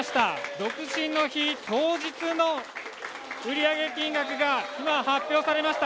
独身の日当日の売り上げ金額が今、発表されました。